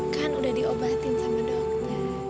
kan udah diobatin sama dokter